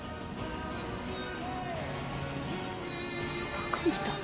バカみたい。